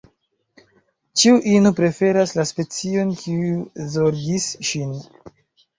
Ĉiu ino preferas la specion, kiu zorgis ŝin.